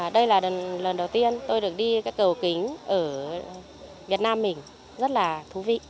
đây là lần đầu tiên tôi được đi cây cầu kính ở việt nam mình rất là thú vị